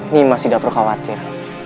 nimas tidak perlu khawatir